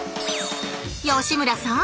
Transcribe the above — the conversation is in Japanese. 吉村さん